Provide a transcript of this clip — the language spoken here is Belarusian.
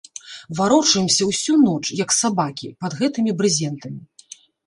Варочаемся ўсю ноч, як сабакі, пад гэтымі брызентамі.